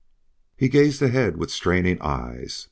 He gazed ahead with straining eyes.